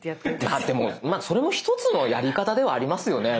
ああでもまあそれも１つのやり方ではありますよね。